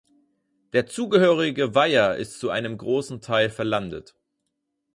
Der zugehörige Weiher ist zu einem grossen Teil verlandet.